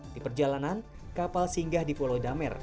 di perjalanan kapal singgah di pulau damer